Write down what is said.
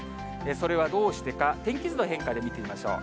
それはどうしてか、天気図の変化で見てみましょう。